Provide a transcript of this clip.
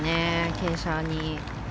傾斜に。